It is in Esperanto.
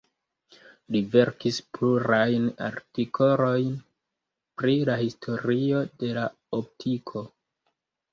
Li verkis plurajn artikolojn pri la historio de la optiko.